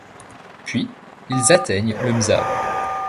Puis, ils atteignent le Mzab.